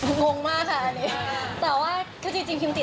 งงมากค่ะอันนี้